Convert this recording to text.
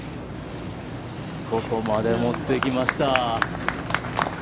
ここまで持ってきました。